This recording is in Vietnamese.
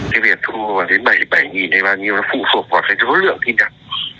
thì việc thu đến bảy mươi bảy hay bao nhiêu nó phụ thuộc vào cái số lượng tin nhắn